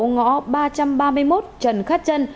ngõ ba trăm ba mươi một trần khát trân